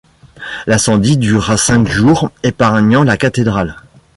L'incendie dura cinq jours épargnant la cathédrale.